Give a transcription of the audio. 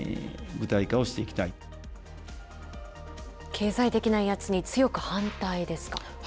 経済的な威圧に強く反対ですか。